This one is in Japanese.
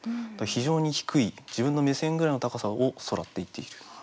非常に低い自分の目線ぐらいの高さを「空」って言っている。